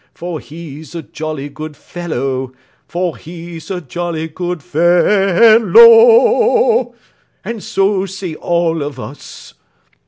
For he's a jolly good fellow!! For he's a jolly good fe e ll ow!!!! And so say all of us!"